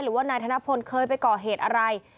หรือว่านายธนพลเคยไปก่อเหตุอะไร